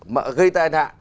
mà gây tai nạn